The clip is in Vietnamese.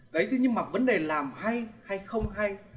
đấy thế nhưng mà vấn đề làm hay hay không hay